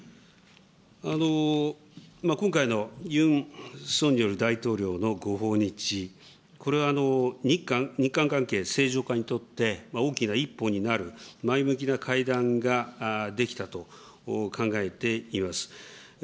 今回のユン・ソンニョル大統領のご訪日、これは日韓関係正常化にとって、大きな一歩になる、前向きな会談ができたと考えています。